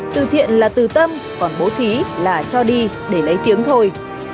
từ thiện là từ tâm còn bố trí là cho đi để lấy tiếng thôi